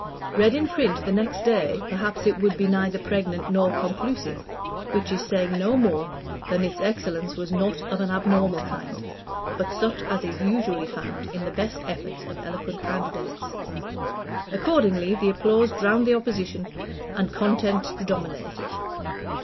Read in print the next day, perhaps it would be neither pregnant nor conclusive, which is saying no more than that its excellence was not of an abnormal kind, but such as is usually found in the best efforts of eloquent candidates. Accordingly, the applause drowned the opposition, and content predominated.